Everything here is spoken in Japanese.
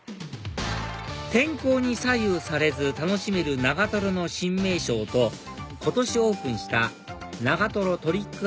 天候に左右されず楽しめる長の新名所をと今年オープンした長トリック